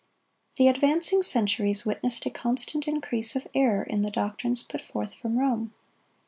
(91) The advancing centuries witnessed a constant increase of error in the doctrines put forth from Rome.